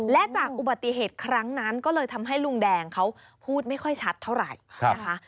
และจากอุบัติเหตุครั้งนั้นก็เลยทำให้ลุงแดงเขาพูดไม่ค่อยชัดเท่าไหร่นะคะ